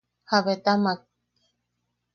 ¿Jabetamak?